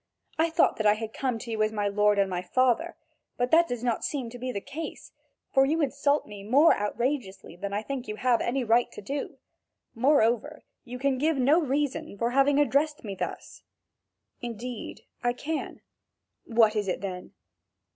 I thought I had come to you as to my lord and my father; but that does not seem to be the case, for you insult me more outrageously than I think you have any right to do; moreover, you can give no reason for having addressed me thus." "Indeed, I can." "What is it, then?"